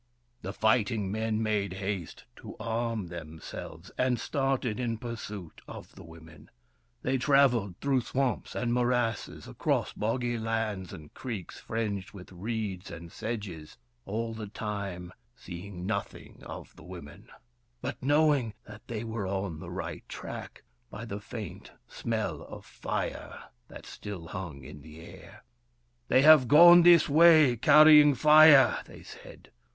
The fighting men made haste to arm themselves, and started in pursuit of the women. They travelled through swamps and morasses, across boggy lands and creeks fringed with reeds and sedges ; all the time seeing nothing of the women, but knowing that they were on the right track, by the faint smell of fire that still hung in the air. " They have gone this way, carrying Fire !" they said.